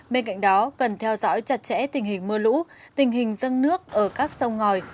bên cạnh đó cần theo dõi chặt chẽ tình hình mưa lũ tình hình dân nước ở các sông ngòi